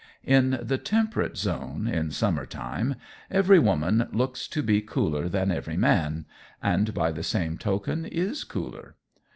In the Temperate zone in summertime, Everywoman looks to be cooler than Everyman and by the same token is cooler.